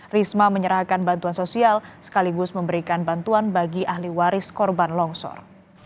risma menyerahkan bantuan sosial sekaligus memberikan bantuan bagi ahli waris korban longsor